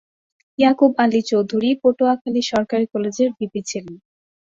ইয়াকুব আলী চৌধুরী পটুয়াখালী সরকারী কলেজের ভিপি ছিলেন।